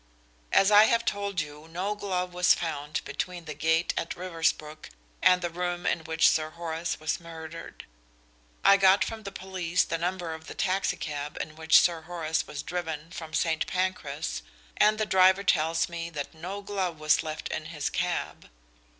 As I have told you no glove was found between the gate at Riversbrook and the room in which Sir Horace was murdered. I got from the police the number of the taxi cab in which Sir Horace was driven from St. Pancras, and the driver tells me that no glove was left in his cab.